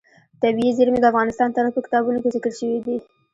طبیعي زیرمې د افغان تاریخ په کتابونو کې ذکر شوی دي.